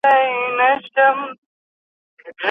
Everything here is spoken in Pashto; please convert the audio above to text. هغه ټولنه چي کتاب لولي تل د پرمختګ په لور چټک حرکت کوي.